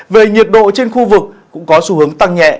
về nhiệt độ trên khu vực cũng có xu hướng tăng nhẹ